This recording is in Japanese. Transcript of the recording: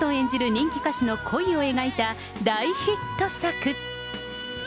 人気歌手の恋を描いた、大ヒット作。